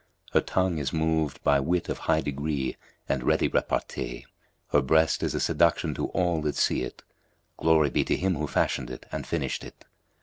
Her tongue is moved by wit of high degree and ready repartee: her breast is a seduction to all that see it (glory be to Him who fashioned it and finished it!)